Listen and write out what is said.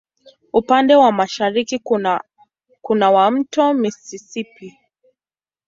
Upande wa mashariki kuna wa Mto Mississippi.